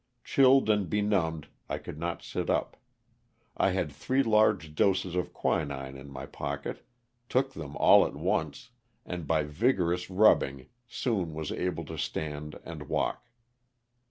Chilled and benumbed, I could not sit up. I had three large doses of quinine in my pocket, took them all at once, and by vigorous rubbing soon was able to stand and walk.